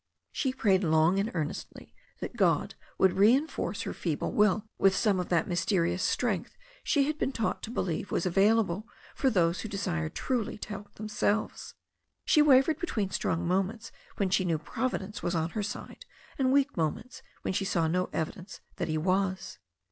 She prayed long and earnestly that God would rein no THE STORY OF A NEW ZEALAND RIVER force her feeble will with some of that mysterious strength she had been taught to believe was available for those who desired truly to help themselves. She wavered between strong moments when she knew Providence was on her side and weak moments when she saw no evidence that He was.